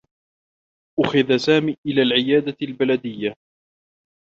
أُخذ سامي إلى العيادة البلديّة.